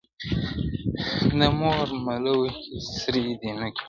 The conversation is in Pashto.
د مور ملوکي سرې دي نوکي٫